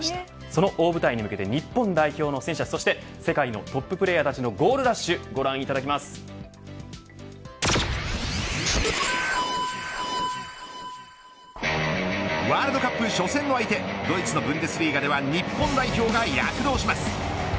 その大舞台に向けて日本代表の選手たち世界のトッププレーヤーたちのゴールラッシュワールドカップ初戦の相手ドイツのブンデスリーガでは日本代表が躍動します。